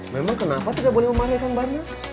memang kenapa tidak boleh memahami kang barnas